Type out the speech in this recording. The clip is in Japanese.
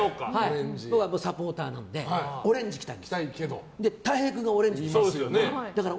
僕はそこのサポーターなのでオレンジ着たいんですけどたい平君がオレンジだから。